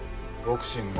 ボクシング！？